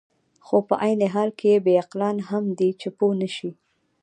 خو په عین حال کې بې عقلان هم دي، چې پوه نه شي.